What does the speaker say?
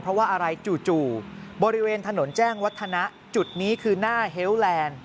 เพราะว่าอะไรจู่บริเวณถนนแจ้งวัฒนะจุดนี้คือหน้าเฮลแลนด์